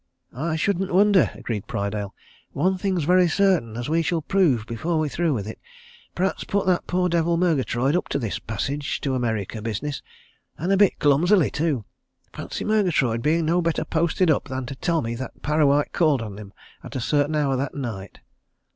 "I shouldn't wonder," agreed Prydale. "One thing's very certain, as we shall prove before we're through with it Pratt's put that poor devil Murgatroyd up to this passage to America business. And a bit clumsily, too fancy Murgatroyd being no better posted up than to tell me that Parrawhite called on him at a certain hour that night!"